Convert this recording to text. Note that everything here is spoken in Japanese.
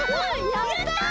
やった！